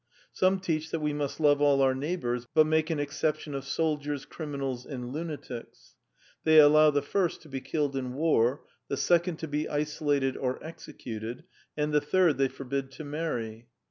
Some teach that we must love all our neighbours but make an exception of soldiers, criminals, and lunatics. They allow the first to be killed in war, the second to be isolated or executed, and the third they forbid to marry.